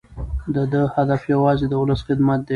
د ده هدف یوازې د ولس خدمت دی.